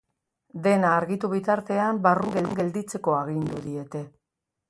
Dena argitu bitartean, barruan gelditzeko agindu diete.